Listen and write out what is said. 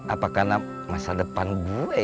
apa karena masa depan gue